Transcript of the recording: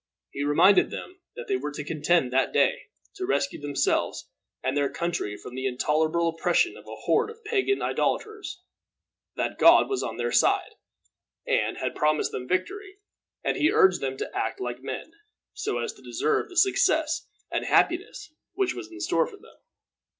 He reminded them that they were to contend, that day, to rescue themselves and their country from the intolerable oppression of a horde of pagan idolaters; that God was on their side, and had promised them the victory; and he urged them to act like men, so as to deserve the success and happiness which was in store for them.